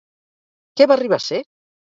Què va arribar a ser?